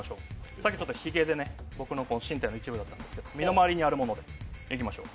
さっきヒゲで僕の身体の一部だったんですけど身の回りにあるものでいきましょう。